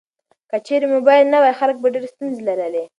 که چیرې موبایل نه وای، خلک به ډیر ستونزې لرلې.